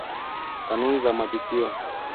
Kanuni za Mapitio